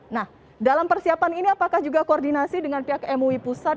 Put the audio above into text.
nah dalam persiapan ini apakah juga koordinasi dengan pihak mui pusat